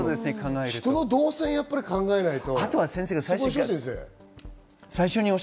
人の動線を考えないと。